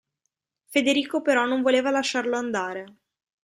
Federico però non voleva lasciarlo andare.